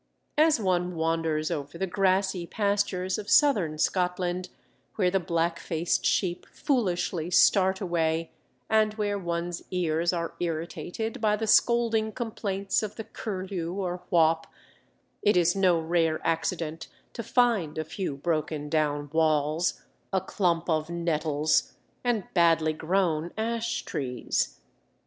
As one wanders over the grassy pastures of Southern Scotland, where the black faced sheep foolishly start away, and where one's ears are irritated by the scolding complaints of the curlew or whaup, it is no rare accident to find a few broken down walls, a clump of nettles, and badly grown ash trees.